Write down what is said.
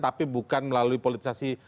tapi bukan melalui politisasi